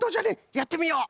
やってみよう！